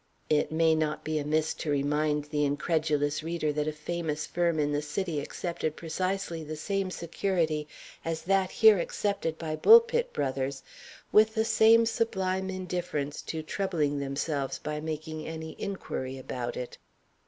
* It may not be amiss to remind the incredulous reader that a famous firm in the City accepted precisely the same security as that here accepted by Bulpit Brothers, with the same sublime indifference to troubling themselves by making any inquiry about it.